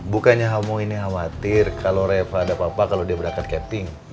bukannya kamu ini khawatir kalau reva ada apa apa kalau dia berangkat keping